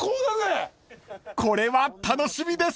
［これは楽しみです！］